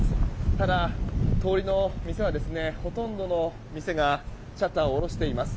ただ、通りの店はほとんどの店がシャッターを下ろしています。